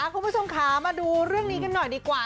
คุณผู้ชมค่ะมาดูเรื่องนี้กันหน่อยดีกว่า